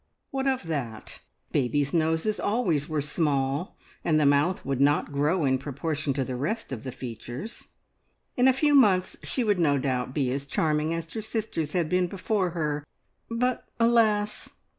What of that? Babies' noses always were small, and the mouth would not grow in proportion to the rest of the features. In a few months she would no doubt be as charming as her sisters had been before her; but, alas!